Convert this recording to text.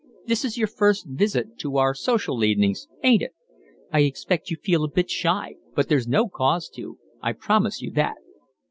"This is your first visit to our social evenings, ain't it? I expect you feel a bit shy, but there's no cause to, I promise you that."